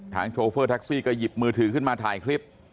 โชเฟอร์แท็กซี่ก็หยิบมือถือขึ้นมาถ่ายคลิป